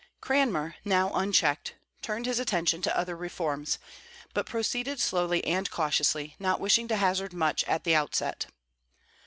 Cranmer, now unchecked, turned his attention to other reforms, but proceeded slowly and cautiously, not wishing to hazard much at the outset.